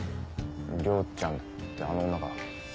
涼ちゃんってあの女か。